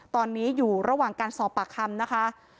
ตอนนี้อยู่ระหว่างการสอบปากคำนะคะ